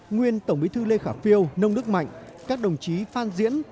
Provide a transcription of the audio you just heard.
nguyên tổng bí thư lê khả phiêu nông đức mạnh các đồng chí phan diễn